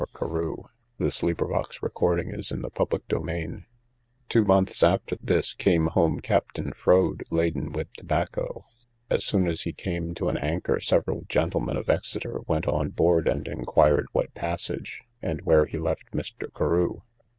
The gentlemen then gave him money, as did likewise merchant Davy. Two months after this came home Captain Froade, laden with tobacco. As soon as he came to an anchor, several gentlemen of Exeter went on board, and inquired what passage, and where he left Mr. Carew?